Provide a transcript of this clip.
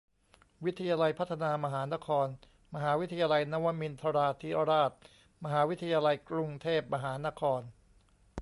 วิทยาลัยพัฒนามหานคร มหาวิทยาลัยนวมินทราธิราช มหาวิทยาลัยกรุงเทพมหานคร